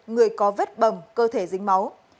người có vết bầm cơ thể dính máu